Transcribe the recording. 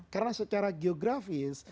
karena secara geografis